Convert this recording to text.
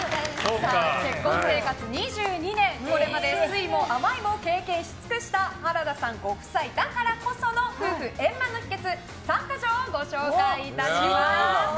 結婚生活２２年これまで酸いも甘いも経験し尽くした原田さんご夫妻だからこその夫婦円満の秘訣３カ条をご紹介いたします。